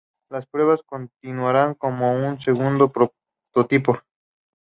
Las pruebas continuaron con un segundo prototipo.